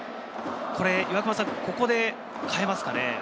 ここで代えますかね？